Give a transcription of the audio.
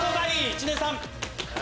知念さん。